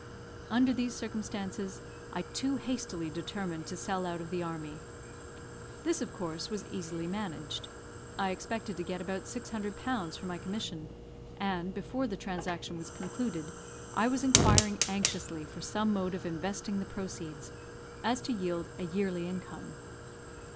Under these circumstances, I too hastily determined to sell out of the army. This, of course, was easily managed. I expected to get about 600 pounds for my commission; and, before the transaction was concluded, I was inquiring anxiously for some mode of investing the proceeds, as to yield a yearly income.